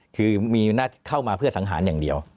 คือมีหน้าเข้ามาเพื่อสังหารอย่างเดียว